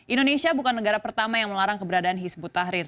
indonesia bukan negara pertama yang melarang keberadaan hizbut tahrir